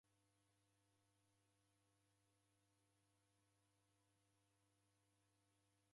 Machi gha vua ndeghipoie